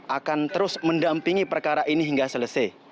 akan terus mendampingi perkara ini hingga selesai